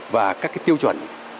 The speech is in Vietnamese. và các tiêu chuẩn